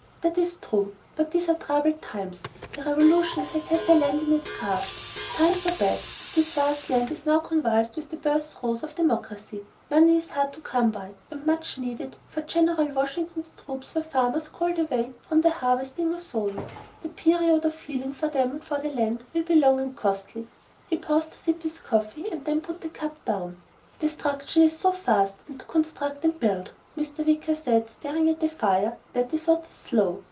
That is true. But these are troubled times. A revolution has had the land in its grasp. Times are bad, and this vast land is now convulsed with the birth throes of democracy. Money is hard to come by, and much needed, for General Washington's troops were farmers called away from their harvesting or sowing. The period of healing, for them and for the land, will be long and costly." He paused to sip his coffee and then put the cup down. "Destruction is so fast, and to construct and build," Mr. Wicker said, staring at the fire, "that is what is slow."